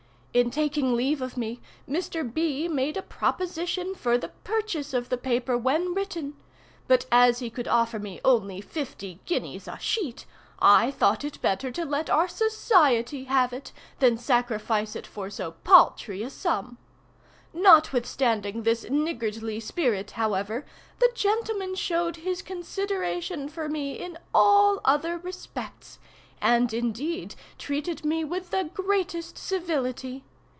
In taking leave of me, Mr. B. made a proposition for the purchase of the paper when written; but as he could offer me only fifty guineas a sheet, I thought it better to let our society have it, than sacrifice it for so paltry a sum. Notwithstanding this niggardly spirit, however, the gentleman showed his consideration for me in all other respects, and indeed treated me with the greatest civility.